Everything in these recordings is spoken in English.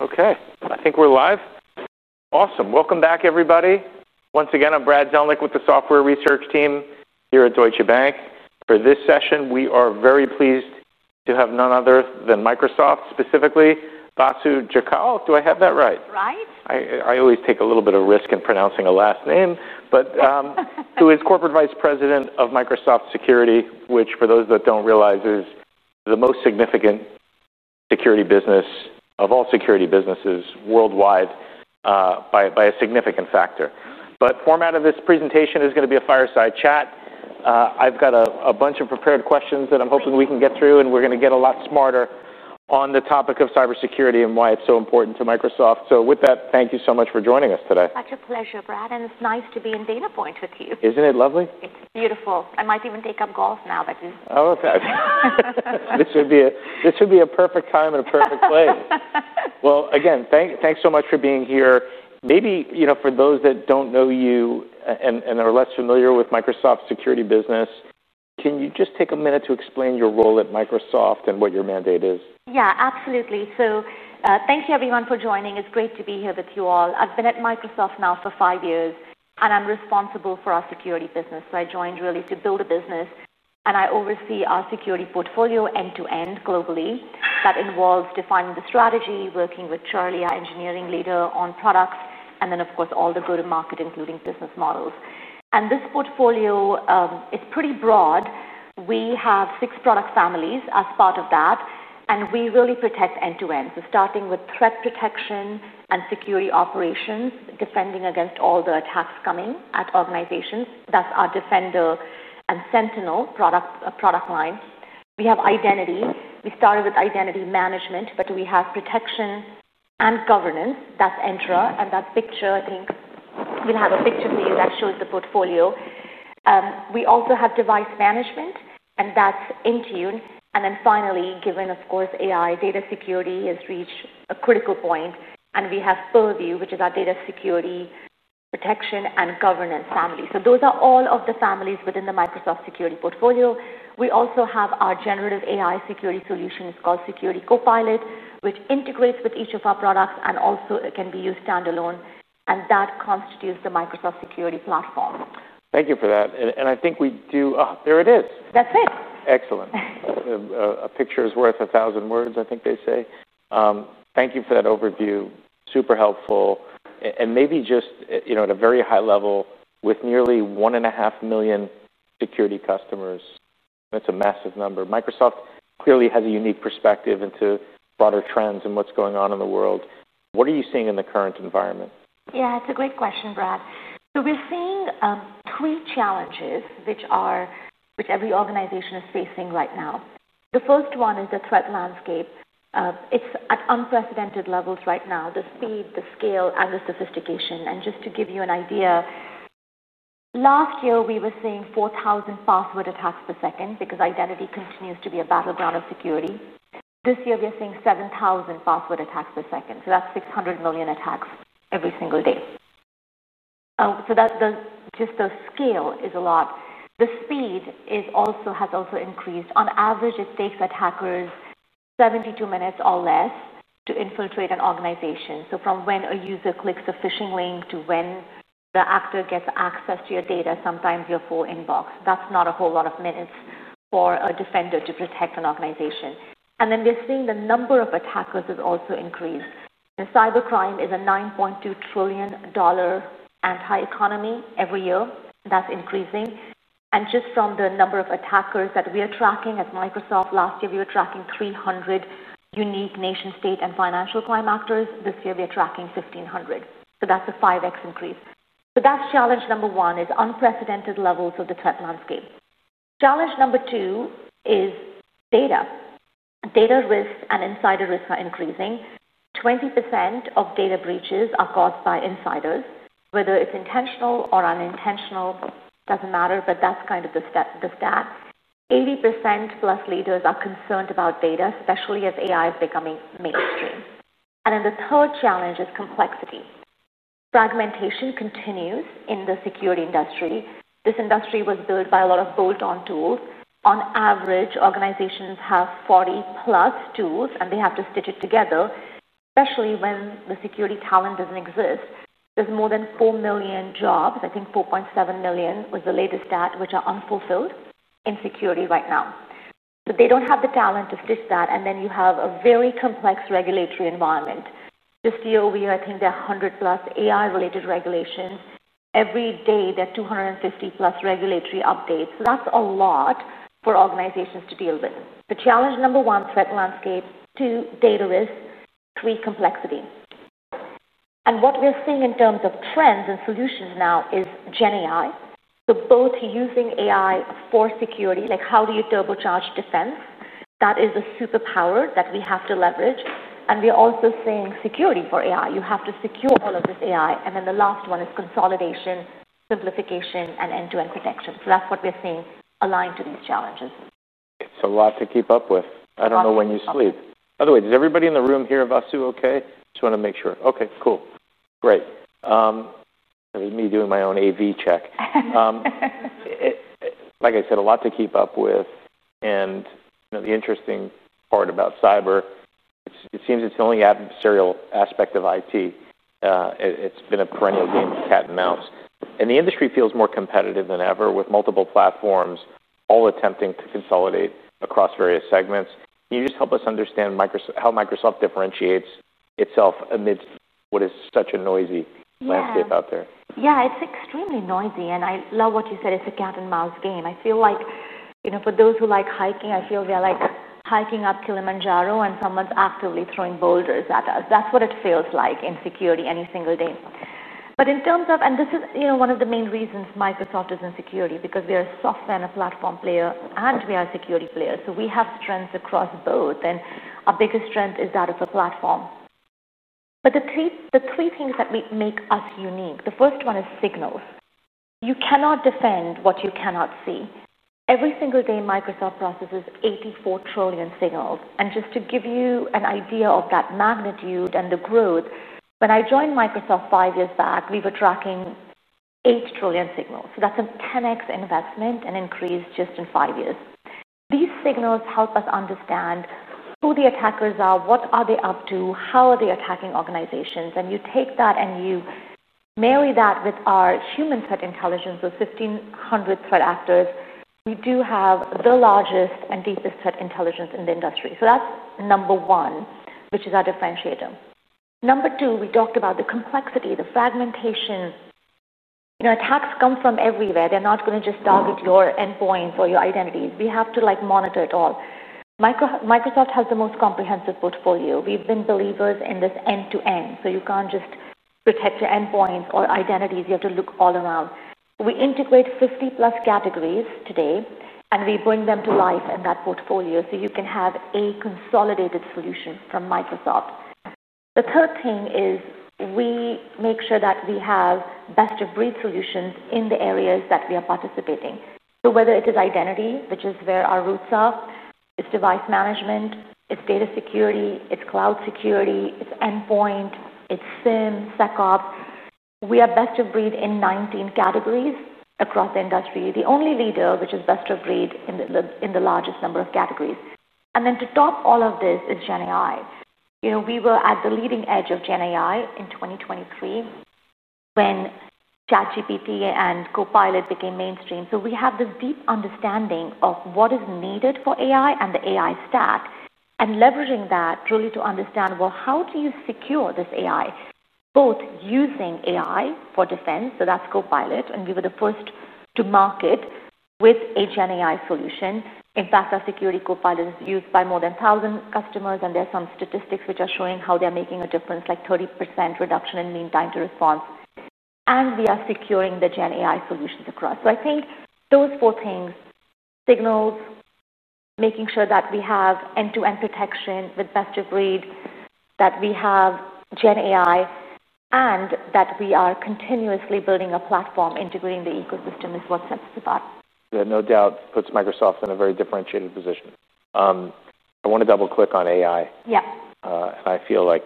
Okay, I think we're live. Awesome. Welcome back, everybody. Once again, I'm Brad Zelnick with the software research team here at Deutsche Bank. For this session, we are very pleased to have none other than Microsoft, specifically Vasu Jakkal. Do I have that right? Right. I always take a little bit of risk in pronouncing a last name, but who is Corporate Vice President of Microsoft Security, which for those that don't realize is the most significant security business of all security businesses worldwide, by a significant factor. The format of this presentation is going to be a fireside chat. I've got a bunch of prepared questions that I'm hoping we can get through, and we're going to get a lot smarter on the topic of cybersecurity and why it's so important to Microsoft. With that, thank you so much for joining us today. It's such a pleasure, Brad, and it's nice to be in Data Point with you. Isn't it lovely? It's beautiful. I might even take up golf now. Oh, okay. This would be a perfect time and a perfect place. Again, thanks so much for being here. Maybe, for those that don't know you and are less familiar with Microsoft's security business, can you just take a minute to explain your role at Microsoft and what your mandate is? Yeah, absolutely. Thank you everyone for joining. It's great to be here with you all. I've been at Microsoft now for five years, and I'm responsible for our security business. I joined really to build a business, and I oversee our security portfolio end-to-end globally. That involves defining the strategy, working with Charlie, our engineering leader, on products, and of course, all the go-to-market, including business models. This portfolio is pretty broad. We have six product families as part of that, and we really protect end-to-end. We're starting with threat protection and security operations, defending against all the attacks coming at organizations. That's our Defender and Sentinel product lines. We have identity. We started with identity management, but we have protection and governance. That's Entra, and that picture, I think, we'll have a picture for you that shows the portfolio. We also have device management, and that's Intune. Finally, given, of course, AI, data security has reached a critical point, and we have Purview, which is our data security protection and governance family. Those are all of the families within the Microsoft security portfolio. We also have our generative AI security solution. It's called Security Copilot, which integrates with each of our products and also can be used standalone, and that constitutes the Microsoft security platform. Thank you for that. I think we do, oh, there it is. That's it. Excellent. A picture is worth a thousand words, I think they say. Thank you for that overview. Super helpful. Maybe just, you know, at a very high level, with nearly 1.5 million security customers, that's a massive number. Microsoft clearly has a unique perspective into broader trends and what's going on in the world. What are you seeing in the current environment? Yeah, it's a great question, Brad. We're seeing three challenges which every organization is facing right now. The first one is the threat landscape. It's at unprecedented levels right now: the speed, the scale, and the sophistication. Just to give you an idea, last year we were seeing 4,000 password attacks per second because identity continues to be a battleground of security. This year we are seeing 7,000 password attacks per second. That's 600 million attacks every single day. The scale is a lot. The speed has also increased. On average, it takes attackers 72 minutes or less to infiltrate an organization. From when a user clicks a phishing link to when the actor gets access to your data, sometimes your full inbox, that's not a whole lot of minutes for a defender to protect an organization. We're seeing the number of attackers also increase. Cybercrime is a $9.2 trillion anti-economy every year. That's increasing. Just from the number of attackers that we are tracking at Microsoft, last year we were tracking 300 unique nation-state and financial crime actors. This year we are tracking 1,500. That's a 5x increase. Challenge number one is unprecedented levels of the threat landscape. Challenge number two is data. Data risks and insider risks are increasing. 20% of data breaches are caused by insiders, whether it's intentional or unintentional. It doesn't matter, but that's kind of the stat. 80%+ leaders are concerned about data, especially as AI is becoming mainstream. The third challenge is complexity. Fragmentation continues in the security industry. This industry was built by a lot of bolt-on tools. On average, organizations have 40+ tools, and they have to stitch it together, especially when the security talent doesn't exist. There are more than 4 million jobs, I think 4.7 million was the latest stat, which are unfulfilled in security right now. They don't have the talent to stitch that, and then you have a very complex regulatory environment. This year, I think there are 100+ AI-related regulations. Every day there are 250+ regulatory updates. That's a lot for organizations to deal with. Challenge number one, threat landscape; two, data risks; three, complexity. What we are seeing in terms of trends and solutions now is Gen AI. Both using AI for security, like how do you turbocharge defense? That is a superpower that we have to leverage. We are also seeing security for AI. You have to secure all of this AI. The last one is consolidation, simplification, and end-to-end protection. That's what we're seeing aligned to these challenges. It's a lot to keep up with. I don't know when you sleep. By the way, does everybody in the room hear Vasu okay? I just want to make sure. Okay, cool. Great. That was me doing my own AV check. Like I said, a lot to keep up with. You know, the interesting part about cyber, it seems it's the only adversarial aspect of IT. It's been a perennial game, cat and mouse. The industry feels more competitive than ever with multiple platforms all attempting to consolidate across various segments. Can you just help us understand how Microsoft differentiates itself amidst what is such a noisy landscape out there? Yeah, it's extremely noisy. I love what you said. It's a cat and mouse game. I feel like, you know, for those who like hiking, I feel they're like hiking up Kilimanjaro and someone's actively throwing boulders at us. That's what it feels like in security any single day. In terms of, and this is, you know, one of the main reasons Microsoft is in security because we are a software and a platform player and we are a security player. We have strengths across both. Our biggest strength is that of a platform. The three things that make us unique, the first one is signals. You cannot defend what you cannot see. Every single day, Microsoft processes 84 trillion signals. Just to give you an idea of that magnitude and the growth, when I joined Microsoft five years back, we were tracking 8 trillion signals. That's a 10x investment and increase just in five years. These signals help us understand who the attackers are, what are they up to, how are they attacking organizations. You take that and you marry that with our human threat intelligence of 1,500 threat actors. We do have the largest and deepest threat intelligence in the industry. That's number one, which is our differentiator. Number two, we talked about the complexity, the fragmentation. You know, attacks come from everywhere. They're not going to just dive into your endpoints or your identities. We have to monitor it all. Microsoft has the most comprehensive portfolio. We've been believers in this end-to-end. You can't just protect your endpoints or identities. You have to look all around. We integrate 50+ categories today, and we bring them to life in that portfolio so you can have a consolidated solution from Microsoft. The third thing is we make sure that we have best-of-breed solutions in the areas that we are participating. Whether it is identity, which is where our roots are, it's device management, it's data security, it's cloud security, it's endpoint, it's SIEM, SecOps, we are best-of-breed in 19 categories across the industry. The only leader which is best-of-breed in the largest number of categories. To top all of this is Gen AI. You know, we were at the leading edge of Gen AI in 2023 when ChatGPT and Copilot became mainstream. We have this deep understanding of what is needed for AI and the AI stack and leveraging that really to understand, how do you secure this AI, both using AI for defense. That's Copilot. We were the first to market with a generative AI solution. In fact, our Security Copilot is used by more than 1,000 customers. There are some statistics which are showing how they're making a difference, like 30% reduction in mean time to response. We are securing the generative AI solutions across. I think those four things, signals, making sure that we have end-to-end protection with best-of-breed, that we have generative AI, and that we are continuously building a platform integrating the ecosystem, is what sets us apart. Yeah, no doubt puts Microsoft in a very differentiated position. I want to double-click on AI. Yeah. I feel like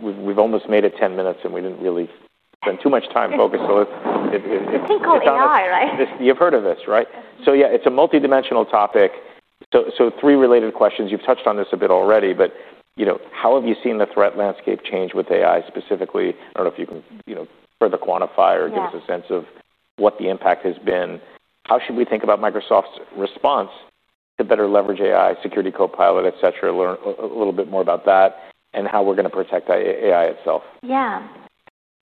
we've almost made it 10 minutes, and we didn't really spend too much time focused. It's a thing called AI, right? You've heard of this, right? It's a multi-dimensional topic. Three related questions. You've touched on this a bit already, but how have you seen the threat landscape change with AI specifically? I don't know if you can further quantify or give us a sense of what the impact has been. How should we think about Microsoft's response to better leverage AI, Security Copilot, etc., learn a little bit more about that and how we're going to protect AI itself? Yeah.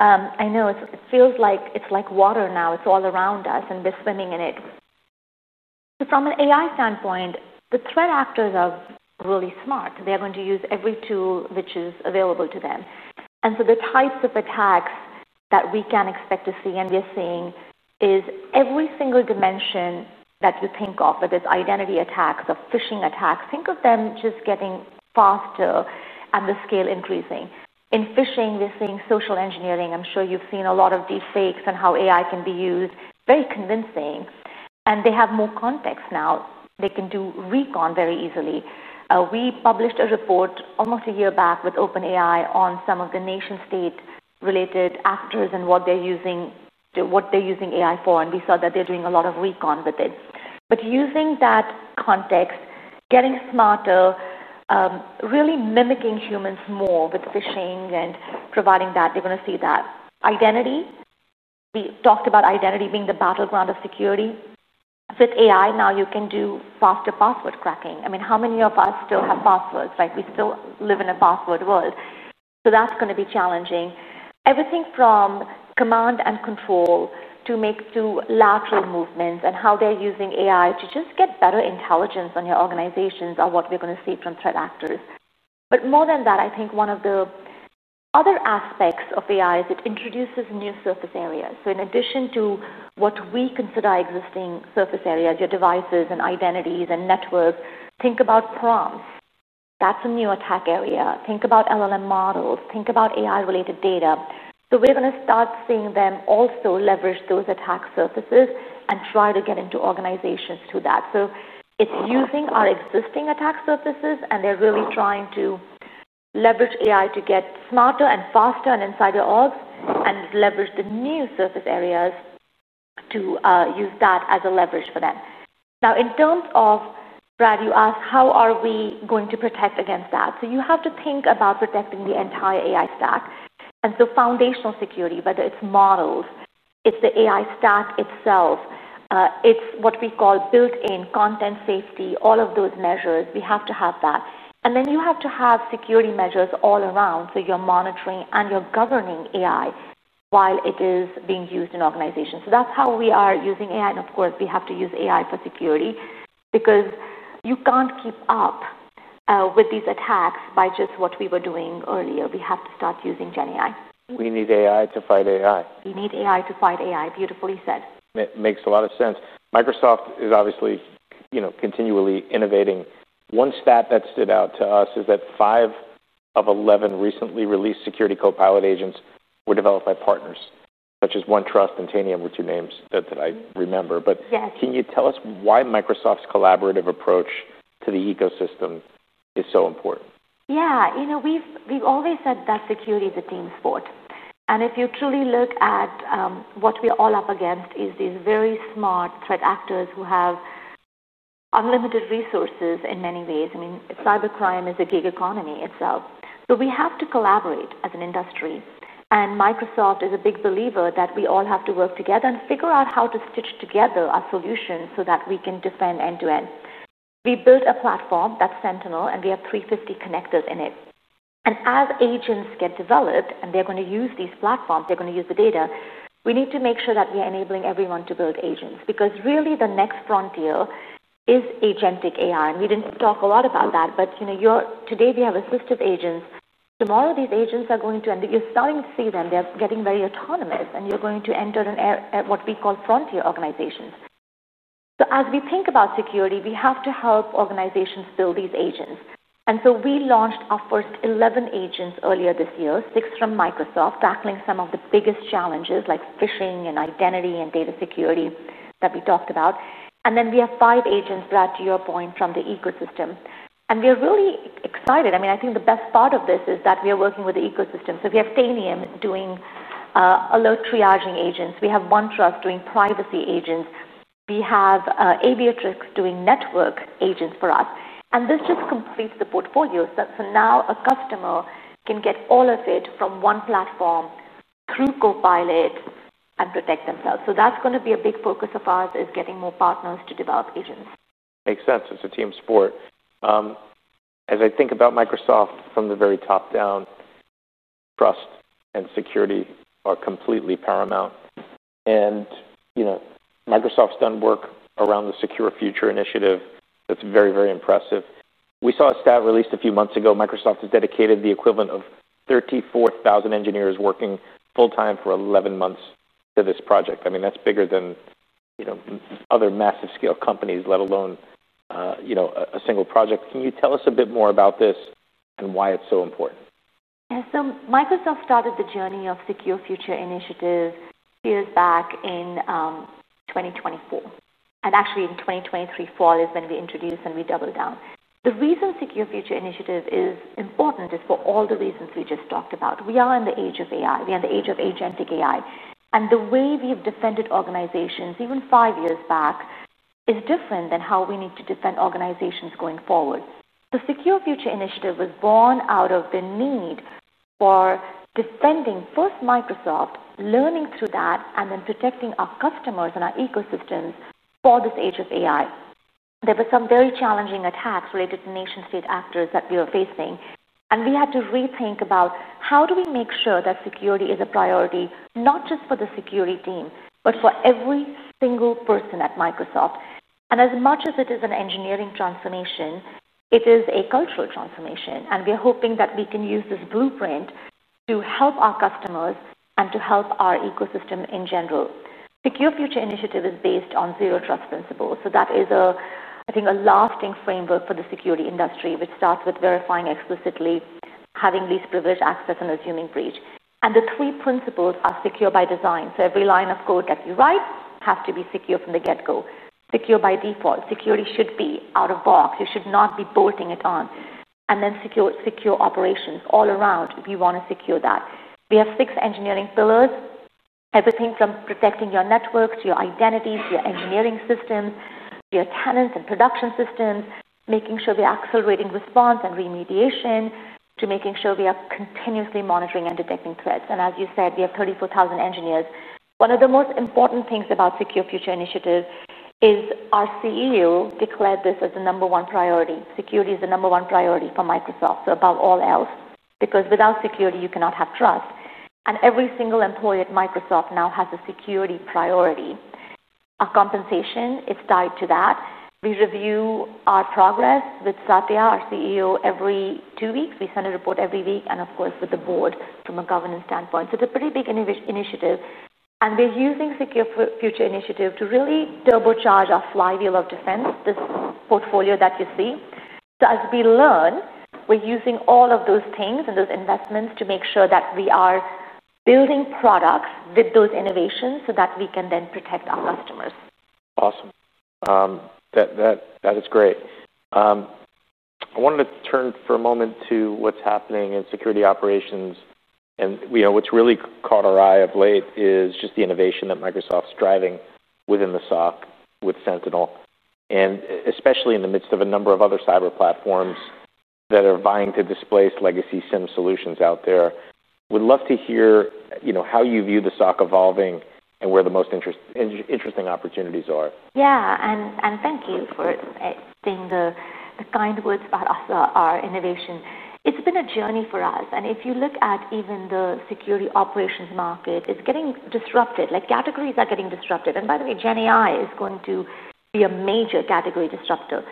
I know it feels like it's like water now. It's all around us and we're swimming in it. From an AI standpoint, the threat actors are really smart. They're going to use every tool which is available to them. The types of attacks that we can expect to see and we're seeing is every single dimension that you think of, whether it's identity attacks or phishing attacks. Think of them just getting faster and the scale increasing. In phishing, we're seeing social engineering. I'm sure you've seen a lot of deepfakes and how AI can be used, very convincing. They have more context now. They can do recon very easily. We published a report almost a year back with OpenAI on some of the nation-state related actors and what they're using, what they're using AI for. We saw that they're doing a lot of recon with it. Using that context, getting smarter, really mimicking humans more with phishing and providing that, you're going to see that identity. We talked about identity being the battleground of security. With AI now, you can do faster password cracking. I mean, how many of us still have passwords, right? We still live in a password world. That's going to be challenging. Everything from command and control to make lateral movements and how they're using AI to just get better intelligence on your organizations are what we're going to see from threat actors. More than that, I think one of the other aspects of AI is it introduces new surface areas. In addition to what we consider existing surface areas, your devices and identities and networks, think about prompts. That's a new attack area. Think about LLM models. Think about AI-related data. We're going to start seeing them also leverage those attack surfaces and try to get into organizations through that. It's using our existing attack surfaces and they're really trying to leverage AI to get smarter and faster and inside their orgs and leverage the new surface areas to use that as a leverage for them. Now, in terms of, Brad, you asked, how are we going to protect against that? You have to think about protecting the entire AI stack. Foundational security, whether it's models, it's the AI stack itself, it's what we call built-in content safety, all of those measures, we have to have that. You have to have security measures all around. You're monitoring and you're governing AI while it is being used in organizations. That's how we are using AI. Of course, we have to use AI for security because you can't keep up with these attacks by just what we were doing earlier. We have to start using Gen AI. We need AI to fight AI. We need AI to fight AI, beautifully said. Makes a lot of sense. Microsoft is obviously, you know, continually innovating. One stat that stood out to us is that 5 of 11 recently released Security Copilot agents were developed by partners such as OneTrust and Tanium, were two names that I remember. Can you tell us why Microsoft's collaborative approach to the ecosystem is so important? Yeah, you know, we've always said that security is a team sport. If you truly look at what we're all up against, it's these very smart threat actors who have unlimited resources in many ways. I mean, cybercrime is a gig economy itself. We have to collaborate as an industry. Microsoft is a big believer that we all have to work together and figure out how to stitch together our solutions so that we can defend end-to-end. We built a platform that's Sentinel, and we have 350 connectors in it. As agents get developed and they're going to use these platforms, they're going to use the data, we need to make sure that we are enabling everyone to build agents because really the next frontier is agentic AI. We didn't talk a lot about that, but you know, today we have assistive agents. Tomorrow these agents are going to, and you're starting to see them, they're getting very autonomous, and you're going to enter what we call frontier organizations. As we think about security, we have to help organizations build these agents. We launched our first 11 agents earlier this year, six from Microsoft, tackling some of the biggest challenges like phishing and identity and data security that we talked about. We have five agents, Brad, to your point from the ecosystem. We are really excited. I think the best part of this is that we are working with the ecosystem. We have Tanium doing alert triaging agents. We have OneTrust doing privacy agents. We have Aviatrix doing network agents for us. This just completes the portfolio. Now a customer can get all of it from one platform through Copilot and protect themselves. That's going to be a big focus of ours, getting more partners to develop agents. Makes sense. It's a team sport. As I think about Microsoft from the very top down, trust and security are completely paramount. You know, Microsoft's done work around the Secure Future Initiative. That's very, very impressive. We saw a stat released a few months ago. Microsoft has dedicated the equivalent of 34,000 engineers working full-time for 11 months to this project. I mean, that's bigger than, you know, other massive scale companies, let alone, you know, a single project. Can you tell us a bit more about this and why it's so important? Yeah, so Microsoft started the journey of Secure Future Initiative years back in 2024. Actually, in 2023 fall is when we introduced and we doubled down. The reason Secure Future Initiative is important is for all the reasons we just talked about. We are in the age of AI. We are in the age of agentic AI. The way we've defended organizations even five years back is different than how we need to defend organizations going forward. The Secure Future Initiative was born out of the need for defending first Microsoft, learning through that, and then protecting our customers and our ecosystems for this age of AI. There were some very challenging attacks related to nation-state actors that we were facing. We had to rethink about how do we make sure that security is a priority, not just for the security team, but for every single person at Microsoft. As much as it is an engineering transformation, it is a cultural transformation. We're hoping that we can use this blueprint to help our customers and to help our ecosystem in general. Secure Future Initiative is based on zero trust principles. That is, I think, a lasting framework for the security industry, which starts with verifying explicitly, having least privilege access, and assuming breach. The three principles are secure by design, so every line of code that you write has to be secure from the get-go; secure by default, security should be out of box, you should not be bolting it on; and then secure operations all around if you want to secure that. We have six engineering pillars, everything from protecting your networks to your identities, your engineering systems, your tenants and production systems, making sure we're accelerating response and remediation to making sure we are continuously monitoring and detecting threats. As you said, we have 34,000 engineers. One of the most important things about Secure Future Initiative is our CEO declared this as the number one priority. Security is the number one priority for Microsoft above all else, because without security, you cannot have trust. Every single employee at Microsoft now has a security priority. Our compensation is tied to that. We review our progress with Satya, our CEO, every two weeks. We send a report every week, and of course, with the board from a governance standpoint. It's a pretty big initiative. We're using Secure Future Initiative to really turbocharge our flywheel of defense, this portfolio that you see. As we learn, we're using all of those things and those investments to make sure that we are building products with those innovations so that we can then protect our customers. Awesome. That is great. I wanted to turn for a moment to what's happening in security operations. What's really caught our eye of late is just the innovation that Microsoft is driving within the SOC with Sentinel, especially in the midst of a number of other cyber platforms that are vying to displace legacy SIEM solutions out there. We'd love to hear how you view the SOC evolving and where the most interesting opportunities are. Yeah, and thank you for saying the kind words about us, our innovation. It's been a journey for us. If you look at even the security operations market, it's getting disrupted. Categories are getting disrupted. By the way, generative AI is going to be a major category disruptor.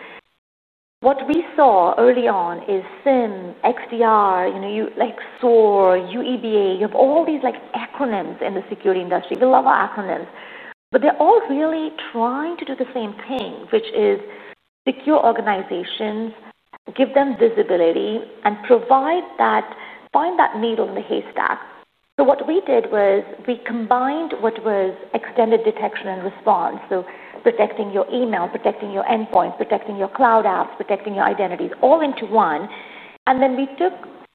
What we saw early on is SIEM, XDR, you know, you like SOAR, UEBA. You have all these acronyms in the security industry. You're going to love our acronyms. They're all really trying to do the same thing, which is secure organizations, give them visibility, and provide that, find that needle in the haystack. What we did was we combined what was extended detection and response, so protecting your email, protecting your endpoint, protecting your cloud apps, protecting your identities, all into one. We took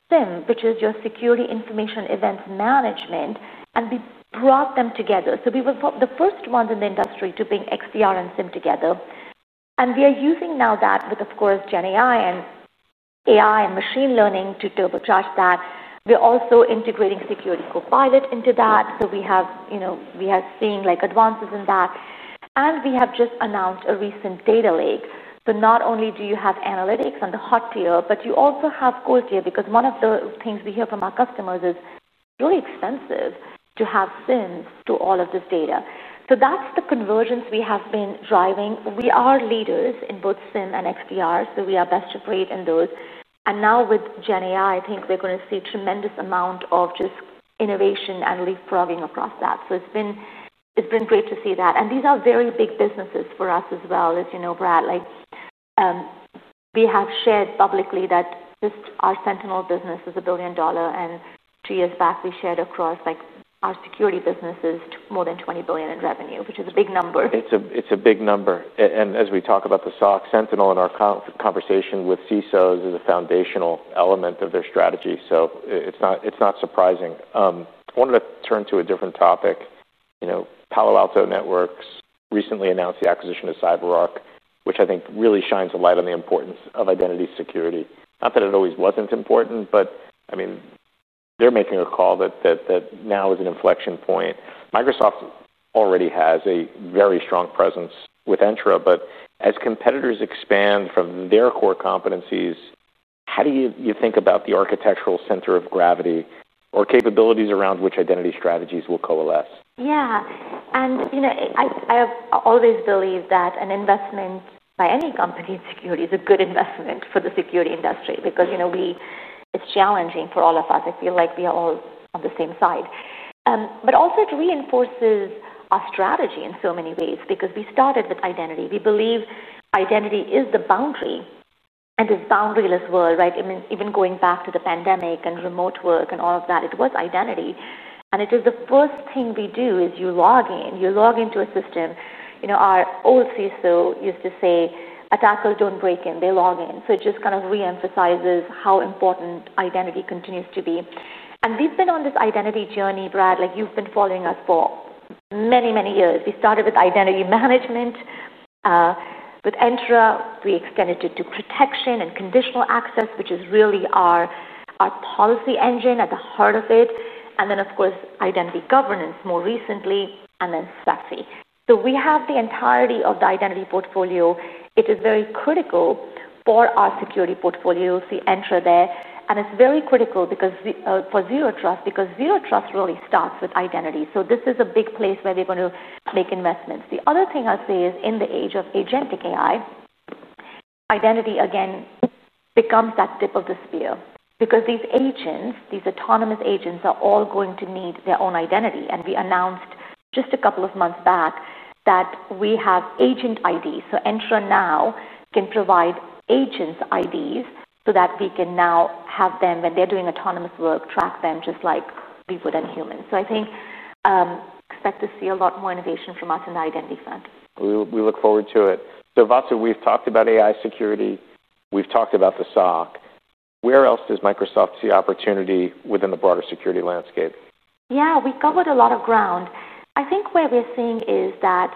SIEM, which is your Security Information and Event Management, and we brought them together. We were the first ones in the industry to bring XDR and SIEM together. We are using now that with, of course, generative AI and AI and machine learning to turbocharge that. We're also integrating Security Copilot into that. We are seeing advances in that. We have just announced a recent data lake. Not only do you have analytics on the hot tier, but you also have cold tier because one of the things we hear from our customers is it's really expensive to have SIEM to all of this data. That's the convergence we have been driving. We are leaders in both SIEM and XDR, so we are best-of-breed in those. Now with generative AI, I think we're going to see a tremendous amount of just innovation and leapfrogging across that. It's been great to see that. These are very big businesses for us as well, as you know, Brad. We have shared publicly that just our Sentinel business is a $1 billion. Two years back, we shared across our security businesses more than $20 billion in revenue, which is a big number. It's a big number. As we talk about the SOC, Sentinel in our conversation with CISOs is a foundational element of their strategy. It's not surprising. I wanted to turn to a different topic. You know, Palo Alto Networks recently announced the acquisition of CyberRock, which I think really shines a light on the importance of identity security. Not that it always wasn't important, but I mean, they're making a call that now is an inflection point. Microsoft already has a very strong presence with Entra, but as competitors expand from their core competencies, how do you think about the architectural center of gravity or capabilities around which identity strategies will coalesce? Yeah, and you know, I have always believed that an investment by any company in security is a good investment for the security industry because, you know, it's challenging for all of us. I feel like we are all on the same side. It reinforces our strategy in so many ways because we started with identity. We believe identity is the boundary and is a boundaryless world, right? I mean, even going back to the pandemic and remote work and all of that, it was identity. The first thing we do is you log in. You log into a system. Our old CISO used to say, "Attackers don't break in. They log in." It just kind of reemphasizes how important identity continues to be. We've been on this identity journey, Brad, like you've been following us for many, many years. We started with identity management. With Entra, we extended it to protection and conditional access, which is really our policy engine at the heart of it. Then, of course, identity governance more recently, and then SAFE. We have the entirety of the identity portfolio. It is very critical for our security portfolio. You'll see Entra there. It is very critical for Zero Trust, because Zero Trust really starts with identity. This is a big place where we're going to make investments. The other thing I'll say is in the age of agentic AI, identity again becomes that tip of the spear because these agents, these autonomous agents, are all going to need their own identity. We announced just a couple of months back that we have agent ID. Entra now can provide agent IDs so that we can now have them, when they're doing autonomous work, track them just like we would on humans. I think, expect to see a lot more innovation from us in the identity front. We look forward to it. Vasu, we've talked about AI security. We've talked about the SOC. Where else does Microsoft see opportunity within the broader security landscape? Yeah, we covered a lot of ground. I think where we're seeing is that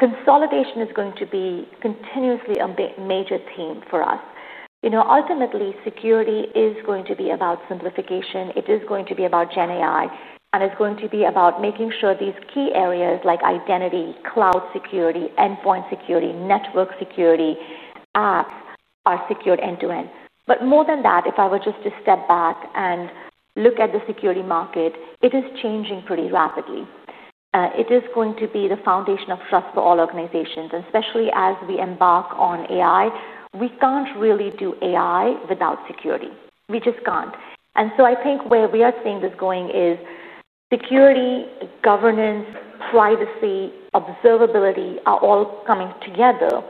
consolidation is going to be continuously a major theme for us. Ultimately, security is going to be about simplification. It is going to be about generative AI, and it's going to be about making sure these key areas like identity, cloud security, endpoint security, network security, apps are secured end-to-end. More than that, if I were just to step back and look at the security market, it is changing pretty rapidly. It is going to be the foundation of trust for all organizations. Especially as we embark on AI, we can't really do AI without security. We just can't. I think where we are seeing this going is security, governance, privacy, observability are all coming together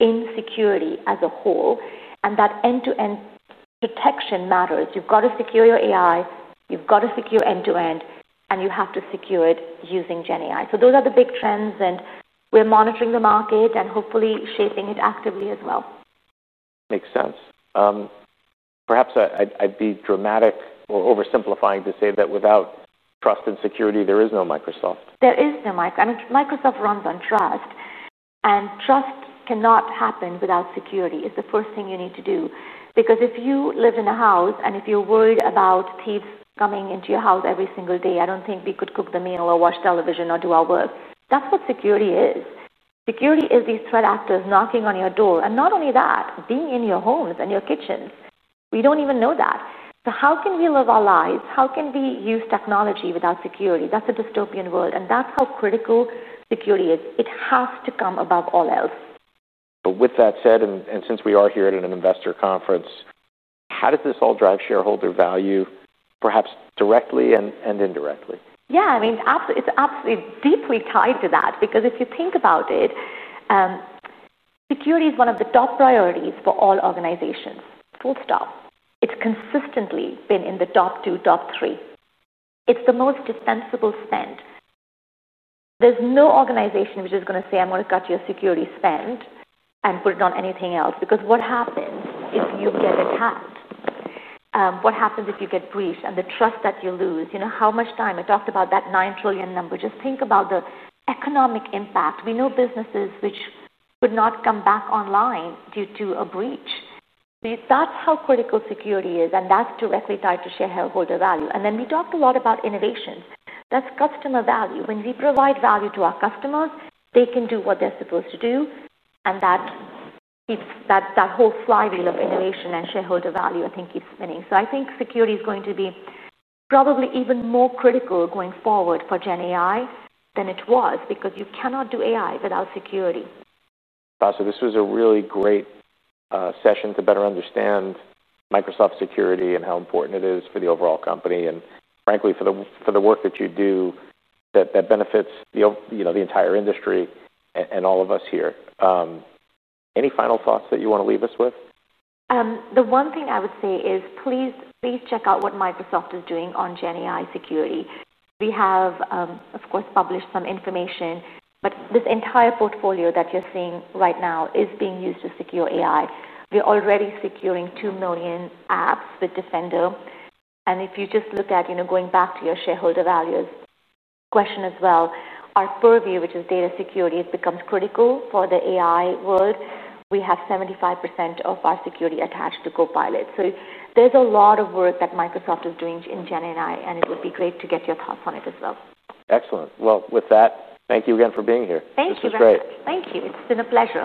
in security as a whole. That end-to-end protection matters. You've got to secure your AI, you've got to secure end-to-end, and you have to secure it using generative AI. Those are the big trends, and we're monitoring the market and hopefully shaping it actively as well. Makes sense. Perhaps I'd be dramatic or oversimplifying to say that without trust and security, there is no Microsoft. There is no Microsoft. I mean, Microsoft runs on trust, and trust cannot happen without security. It's the first thing you need to do because if you live in a house and if you're worried about thieves coming into your house every single day, I don't think we could cook the meal or watch television or do our work. That's what security is. Security is these threat actors knocking on your door. Not only that, being in your homes and your kitchens. We don't even know that. How can we live our lives? How can we use technology without security? That's a dystopian world, and that's how critical security is. It has to come above all else. With that said, since we are here at an investor conference, how does this all drive shareholder value, perhaps directly and indirectly? Yeah, I mean, it's absolutely deeply tied to that because if you think about it, security is one of the top priorities for all organizations. Full stop. It's consistently been in the top two, top three. It's the most defensible spend. There's no organization which is going to say, "I'm going to cut your security spend and put it on anything else," because what happens if you get attacked? What happens if you get breached and the trust that you lose? You know, how much time? I talked about that $9 trillion number. Just think about the economic impact. We know businesses which could not come back online due to a breach. That's how critical security is, and that's directly tied to shareholder value. We talked a lot about innovation. That's customer value. When we provide value to our customers, they can do what they're supposed to do. That's that whole flywheel of innovation and shareholder value, I think, is spinning. I think security is going to be probably even more critical going forward for Gen AI than it was because you cannot do AI without security. Vasu, this was a really great session to better understand Microsoft security and how important it is for the overall company and frankly for the work that you do that benefits, you know, the entire industry and all of us here. Any final thoughts that you want to leave us with? The one thing I would say is please, please check out what Microsoft is doing on generative AI security. We have, of course, published some information, but this entire portfolio that you're seeing right now is being used to secure AI. We're already securing 2 million apps with Microsoft Defender. If you just look at, you know, going back to your shareholder values question as well, our Microsoft Purview, which is data security, it becomes critical for the AI world. We have 75% of our security attached to Copilot. There's a lot of work that Microsoft is doing in generative AI, and it would be great to get your thoughts on it as well. Excellent. Thank you again for being here. Thank you. This was great. Thank you. It's been a pleasure.